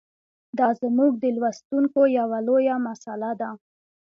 دا زموږ د لوستونکو یوه لویه مساله ده.